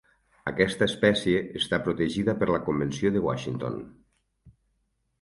Aquesta espècie està protegida per la Convenció de Washington.